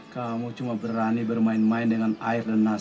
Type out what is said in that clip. kamu cuma berani bermain main dengan air dan nas